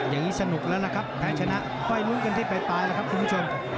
อย่างนี้สนุกแล้วล่ะครับแพ้ชนะค่อยลุ้นกันที่ปลายแล้วครับคุณผู้ชม